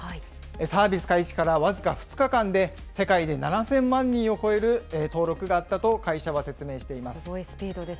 サービス開始から僅か２日間で、世界で７０００万人を超える登録があったと会社は説明しています。